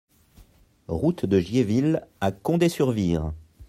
Route de Giéville à Condé-sur-Vire